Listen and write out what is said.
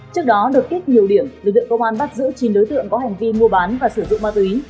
trước đó đột kích nhiều điểm lực lượng công an bắt giữ chín đối tượng có hành vi mua bán và sử dụng ma túy